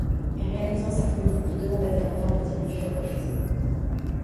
Réalisant sa folie, il demanda des renforts, mais ils lui furent refusés.